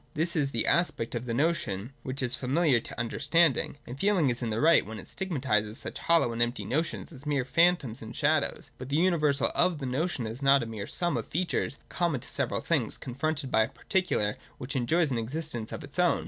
This is the aspect of the notion which is familiar to under standing ; and feeling is in the right when it stigmatises such hollow and empty notions as mere phantoms and shadows. But the universal of the notion is not a mere sum of features common to several things, confronted by a particular which enjoys an existence of its own.